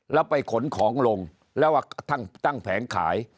แล้วไปขนของลงแล้วตั้งแผงขาย